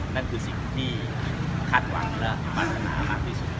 นั่นคือสิ่งที่คาดหวังและปรารถนามากที่สุด